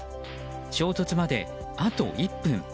衝突まで、あと１分。